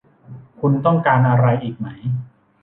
คุณต้องการอะไรอีกไหม